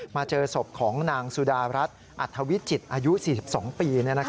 เจอศพของนางสุดารัฐอัธวิจิตรอายุ๔๒ปี